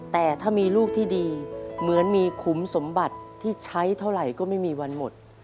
แต่ถ้ามีลูกที่ดีเหมือนมีขุมสมบัติที่ใช้เท่าไหร่ก็ไม่มีวันหมด